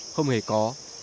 không hề có